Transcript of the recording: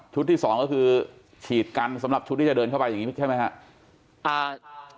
ที่สองก็คือฉีดกันสำหรับชุดที่จะเดินเข้าไปอย่างนี้ใช่ไหมครับ